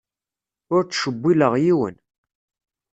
Ur ttcewwileɣ yiwen.